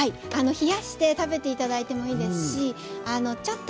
冷やして食べて頂いてもいいですしちょっと